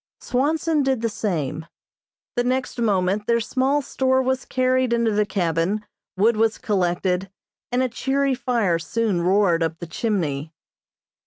Swanson did the same. The next moment their small store was carried into the cabin, wood was collected, and a cheery fire soon roared up the chimney.